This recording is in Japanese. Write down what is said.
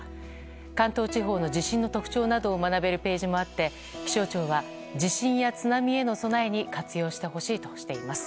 関東地方の地震の特徴などを学べるページもあって気象庁は地震や津波への備えに活用してほしいとしています。